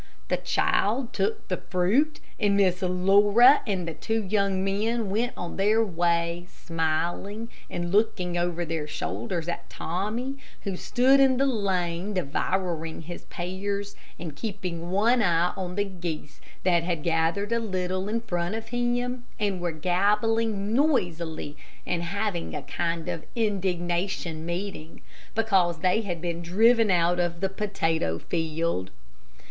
The child took the fruit, and Miss Laura and the two young men went on their way, smiling, and looking over their shoulders at Tommy, who stood in the lane, devouring his pears and keeping one eye on the geese that had gathered a little in front of him, and were gabbling noisily and having a kind of indignation meeting, because they had been driven out of the potato field.